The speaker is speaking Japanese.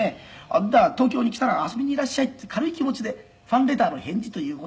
「“あんた東京に来たら遊びにいらっしゃい”って軽い気持ちでファンレターの返事という事で書いてくれた」